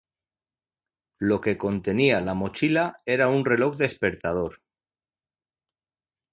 Lo que contenía la mochila era un reloj despertador.